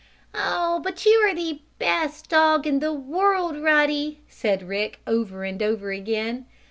"Oh, but you are the best dog in the world, Ruddy!" said Rick, over and over again.